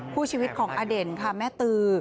คู่ชีวิตของอเด่นค่ะแม่ตือ